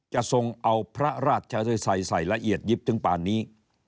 ทรงเอาพระราชไทยใส่ละเอียดยิบถึงป่านนี้